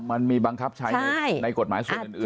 มันมีบังคับใช้ในกฎหมายส่วนอื่น